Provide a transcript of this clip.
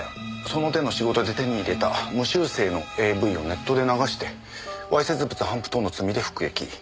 その手の仕事で手に入れた無修正のＡＶをネットで流して猥褻物頒布等の罪で服役。